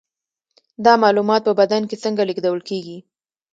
دا معلومات په بدن کې څنګه لیږدول کیږي